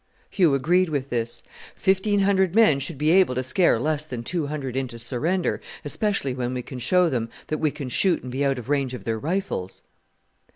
Hugh agreed with this. "Fifteen hundred men should be able to scare less than two hundred into surrender, especially when we can show them that we can shoot and be out of range of their rifles."